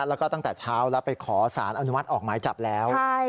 แล้วก็ตั้งแต่เช้าแล้วไปขอสารอนุมัติออกหมายจับแล้ว